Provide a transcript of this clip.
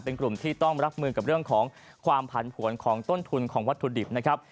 เป็นกลุ่มที่ต้องรับมือกับเรื่องของความผันผวนของต้นทุนของวัตถุดิบนะครับ